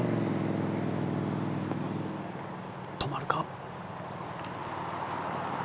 止まるか。